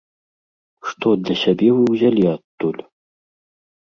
Што для сябе вы ўзялі адтуль?